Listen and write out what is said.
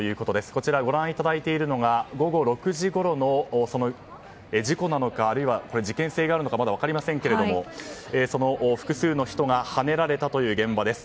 こちらご覧いただいているのが午後６時ごろの事故なのかあるいは事件性があるのかまだ分かりませんけれどもその複数の人がはねられたという現場です。